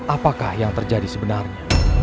apakah yang terjadi sebenarnya